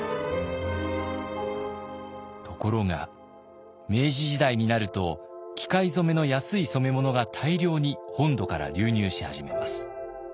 ところが明治時代になると機械染めの安い染物が大量に本土から流入し始めます。